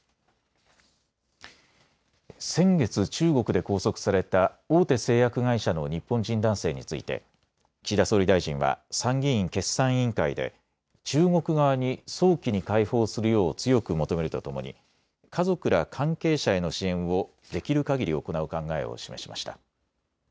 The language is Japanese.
先月、中国で拘束された大手製薬会社の日本人男性について岸田総理大臣は参議院決算委員会で中国側に早期に解放するよう強く求めるとともに家族ら関係者への支援をできるかぎり行う考えを示しました。